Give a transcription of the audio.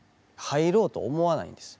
入ろうと思わないんです。